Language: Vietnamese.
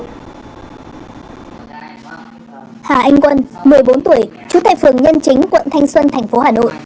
hà anh quân một mươi bốn tuổi chú tại phường nhân chính quận thanh xuân tp hà nội